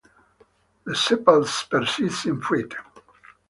The sepals persist in fruit.